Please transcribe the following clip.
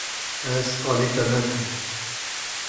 Ez alî te nakim.